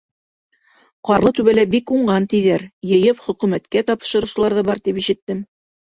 Ҡарлытүбәлә бик уңған тиҙәр, йыйып хөкүмәткә тапшырыусылар ҙа бар, тип ишеттем.